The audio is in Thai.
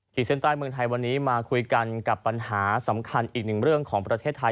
เส้นใต้เมืองไทยวันนี้มาคุยกันกับปัญหาสำคัญอีกหนึ่งเรื่องของประเทศไทย